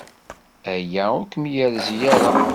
Aya ur kem-yerzi ara.